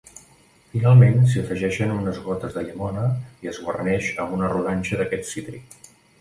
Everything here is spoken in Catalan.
Finalment, s'hi afegeixen unes gotes de llimona i es guarneix amb una rodanxa d'aquest cítric.